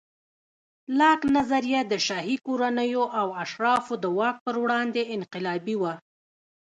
لاک نظریه د شاهي کورنیو او اشرافو د واک پر وړاندې انقلابي وه.